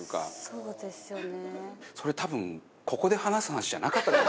そうですよね。